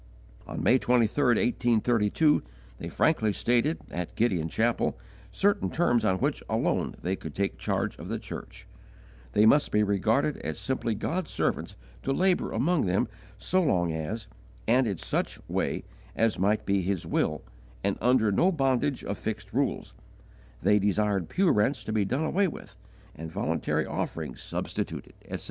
On May 23, 1832, they frankly stated, at Gideon Chapel, certain terms on which alone they could take charge of the church: they must be regarded as simply God's servants to labour among them so long as, and in such way as might be His will, and under no bondage of fixed rules; they desired pew rents to be done away with, and voluntary offerings substituted, etc.